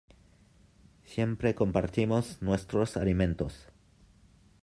Siempre compartimos nuestros alimentos.